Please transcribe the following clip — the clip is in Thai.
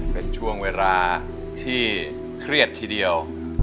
เป็นช่วงเวลาที่เครียดทีเดียว